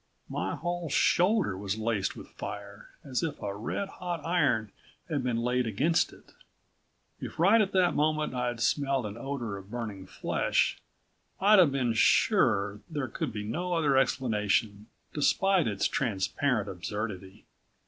My whole shoulder was laced with fire, as if a red hot iron had been laid against it. If right at that moment I'd smelled an odor of burning flesh I'd have been sure there could be no other explanation, despite its transparent absurdity.